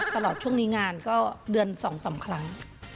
ตลอดช่วงนี้งานก็เดือน๒๓ครั้ง